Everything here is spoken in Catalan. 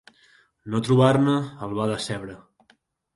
No trobar-ne el va decebre.